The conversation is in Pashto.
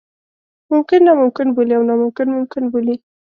ممکن ناممکن بولي او ناممکن ممکن بولي.